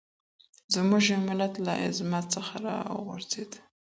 زموږ يو ملت له عظمت څخه راوغورځېد.